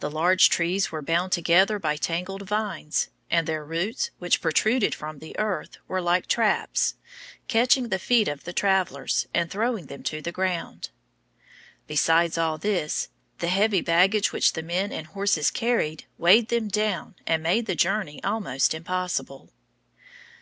The large trees were bound together by tangled vines; and their roots, which protruded from the earth, were like traps, catching the feet of the travelers and throwing them to the ground. Besides all this, the heavy baggage which the men and horses carried weighed them down and made the journey almost impossible.